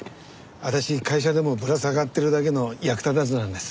あたし会社でもぶら下がってるだけの役立たずなんです。